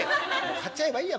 張っちゃえばいいや。